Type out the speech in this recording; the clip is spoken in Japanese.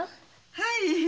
はい。